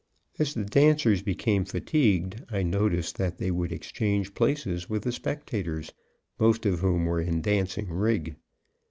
As the dancers became fatigued, I noticed that they would exchange places with the spectators, most of whom were in dancing rig.